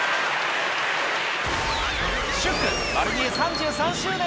祝『まる見え！』３３周年！